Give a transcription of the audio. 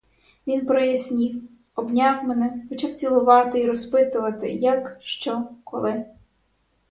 Він прояснів, обняв мене, почав цілувати і розпитувати, як, що, коли.